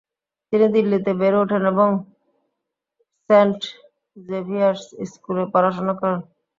তিনি দিল্লিতে বেড়ে ওঠেন এবং এবং সেন্ট জেভিয়ার্স স্কুল পড়াশোনা করেন।